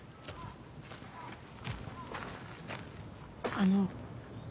あの。